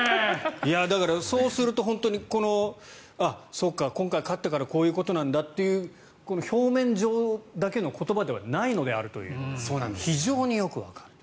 だから、そうすると本当に今回勝ったからこういうことなんだという表面上だけの言葉ではないのであると非常によくわかると。